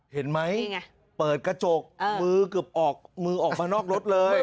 เห็นไหมเปิดกระจกมือเกือบออกมือออกมานอกรถเลย